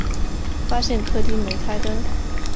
发现客厅没开灯